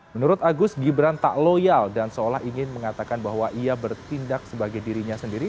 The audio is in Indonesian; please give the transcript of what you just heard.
menurut agus gibran tak loyal dan seolah ingin mengatakan bahwa ia bertindak sebagai dirinya sendiri